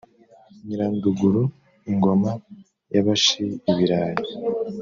Nyiranduguru ingoma y'abashi-Ibirayi.